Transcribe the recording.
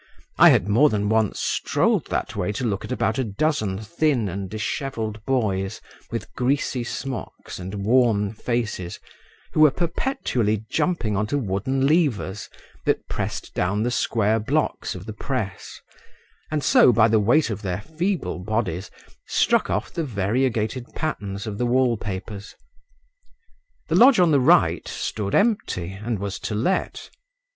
I had more than once strolled that way to look at about a dozen thin and dishevelled boys with greasy smocks and worn faces, who were perpetually jumping on to wooden levers, that pressed down the square blocks of the press, and so by the weight of their feeble bodies struck off the variegated patterns of the wall papers. The lodge on the right stood empty, and was to let.